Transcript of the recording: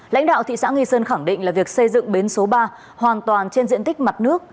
lãnh đạo thị xã nghi sơn khẳng định là việc xây dựng bến số ba hoàn toàn trên diện tích mặt nước